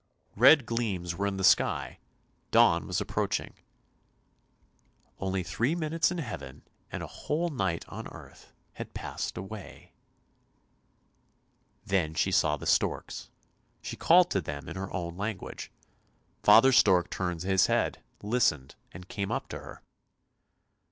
Red gleams were in the sky, dawn was approaching. Only three minutes in Heaven, and a whole night on earth had passed away. Then she saw the storks; she called to them in her own lan guage. Father stork turned his head, listened, and came up to her.